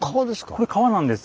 これ川なんです。